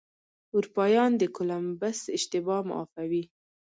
اروپایان د کولمبس اشتباه معافوي.